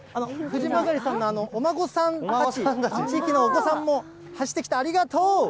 藤曲さんのお孫さんたち、地域のお子さんも走ってきた、ありがとう。